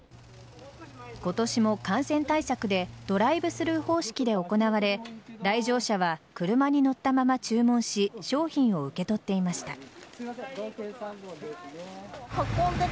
今年も感染対策でドライブスルー方式で行われ来場者は車に乗ったまま注文し商品を受け取っていました。